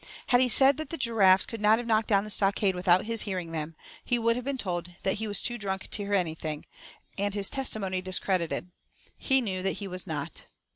Had he said that the giraffes could not have knocked down the stockade without his hearing them, he would have been told that he was too drunk to hear anything, and his testimony discredited. He knew that he was not.